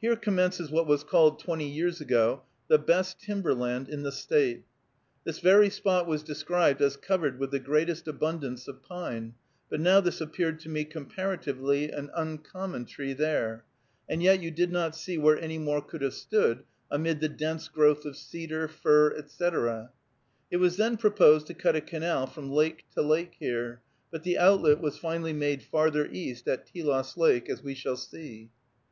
Here commences what was called, twenty years ago, the best timber land in the State. This very spot was described as "covered with the greatest abundance of pine," but now this appeared to me, comparatively, an uncommon tree there, and yet you did not see where any more could have stood, amid the dense growth of cedar, fir, etc. It was then proposed to cut a canal from lake to lake here, but the outlet was finally made farther east, at Telos Lake, as we shall see.